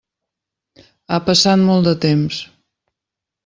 Ha passat molt de temps.